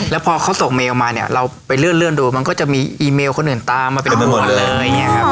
แล้วพอนัสโสร์เมลล์มาเราส่งไปเลื่อนดูมันก็จะมีอีเมลคนนึงต้ามมาเป็นหมดเลย